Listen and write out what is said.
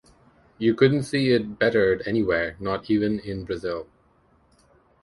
You couldn't see it bettered anywhere, not even in Brazil.